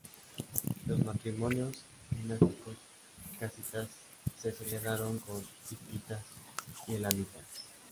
Los matrimonios dinásticos casitas se celebraron con hititas y elamitas.